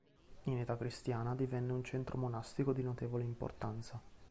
In età cristiana divenne un centro monastico di notevole importanza.